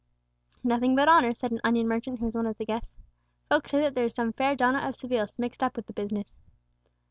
"Nothing but honour," said an onion merchant who was one of the guests. "Folk say that there is some fair donna of Seville mixed up with the business."